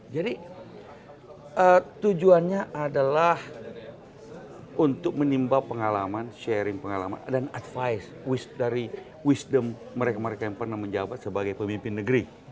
jadi tujuannya adalah untuk menimba pengalaman sharing pengalaman dan advice dari wisdom mereka mereka yang pernah menjabat sebagai pemimpin negeri